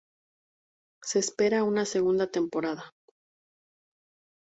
Se espera una segunda temporada.